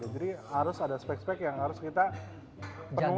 jadi harus ada spek spek yang harus kita penuhi